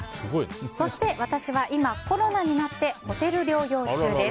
そして私は今、コロナになってホテル療養中です。